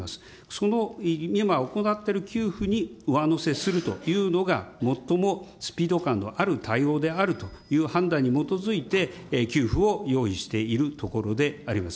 その今、行っている給付に上乗せするというのが最もスピード感のある対応であるという判断に基づいて、給付を用意しているところであります。